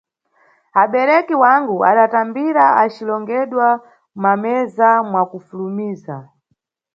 Abereki wangu adatambira acilongedwa mameza mwakufulumiza.